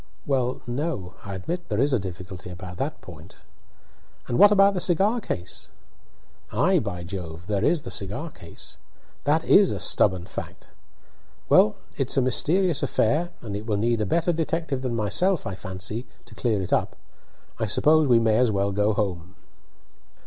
"Well, no; I admit there is a difficulty about that point." "And what about the cigar case?" "Ay, by Jove! there is the cigar case. That is a stubborn fact. Well, it's a mysterious affair, and it will need a better detective than myself, I fancy, to clear it up. I suppose we may as well go home."